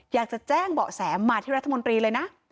อยากจะแจ้งเบาะแสมาที่รัฐมนตรีเลยนะ